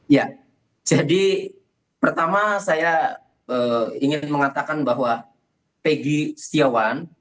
ya jadi pertama saya ingin mengatakan bahwa peggy setiawan